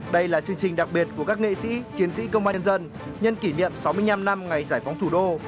đây là chương trình đặc biệt của các nghệ sĩ chiến sĩ công an nhân dân nhân kỷ niệm sáu mươi năm năm ngày giải phóng thủ đô